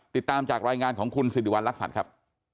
ติดตามจากรายงานของคุณสิริวัณรักษัตริย์ครับ